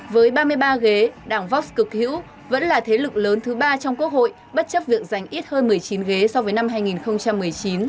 với ba mươi ba ghế đảng vox cực hữu vẫn là thế lực lớn thứ ba trong quốc hội bất chấp việc giành ít hơn một mươi chín ghế so với năm hai nghìn một mươi chín